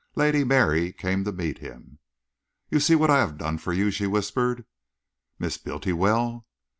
Lady Mary came to meet him. "You see what I have done for you," she whispered. "Miss Bultiwell!"